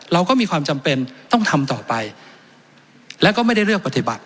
เราก็มีความจำเป็นต้องทำต่อไปแล้วก็ไม่ได้เลือกปฏิบัติ